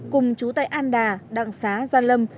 cùng chú tây an đà đặng xá gia lâm